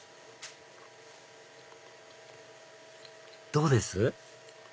どうです？